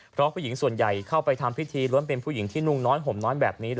เพราะผู้หญิงส่วนใหญ่เข้าไปทำพิธีล้วนเป็นผู้หญิงที่นุ่งน้อยห่มน้อยแบบนี้